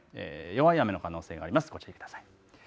弱い雨の可能性がありますからご注意ください。